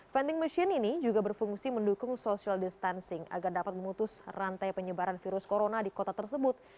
vending machine ini juga berfungsi mendukung social distancing agar dapat memutus rantai penyebaran virus corona di kota tersebut